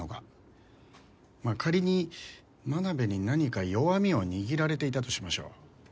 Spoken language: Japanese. まあ仮に真鍋に何か弱みを握られていたとしましょう。